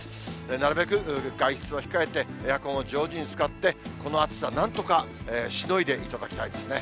なるべく外出は控えて、エアコンを上手に使って、この暑さ、なんとかしのいでいただきたいですね。